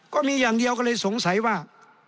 ก็มีอย่างเดียวก็เลยสงสัยว่า